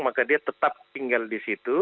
maka dia tetap tinggal disitu